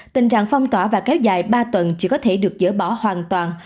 tình trạng phong tỏa và kéo dài ba tuần chỉ có thể được dỡ bỏ hoàn toàn